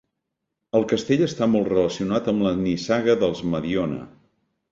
El castell està molt relacionat amb la nissaga dels Mediona.